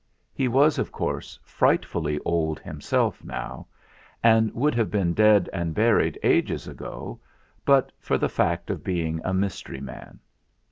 He was, of course, frightfully old him self now, and would have been dead and buried ages ago but for the fact of being a mystery man.